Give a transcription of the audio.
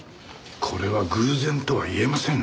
これは偶然とは言えませんね。